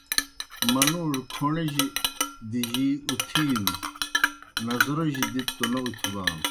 منُوڙوْ کھوْݨِجیْ دِجِی اُتِھینوْ، نظروجیْ دتوْ تو نہ اُتھبانوْ